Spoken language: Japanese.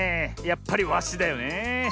やっぱりワシだよねえ。